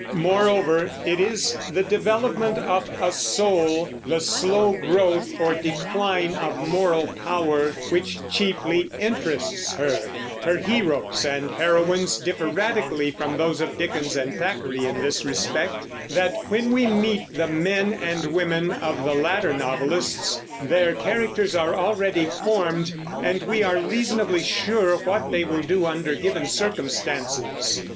Moreover, it is the development of a soul, the slow growth or decline of moral power, which chiefly interests her. Her heroes and heroines differ radically from those of Dickens and Thackeray in this respect, that when we meet the men and women of the latter novelists, their characters are already formed, and we are reasonably sure what they will do under given circumstances.